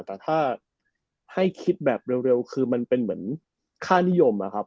แต่ถ้าให้คิดแบบเร็วคือมันเป็นเหมือนค่านิยมนะครับ